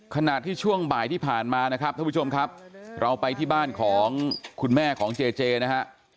ขณะที่ช่วงบ่ายที่ผ่านมานะครับท่านผู้ชมครับเราไปที่บ้านของคุณแม่ของเจเจนะฮะ